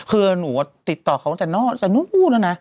คือหนูติดต่อเขาตั้งแต่นู้นแล้วนะ